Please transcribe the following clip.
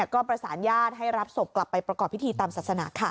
ก็ประสานญาติให้รับศพกลับไปประกอบพิธีตามศาสนาค่ะ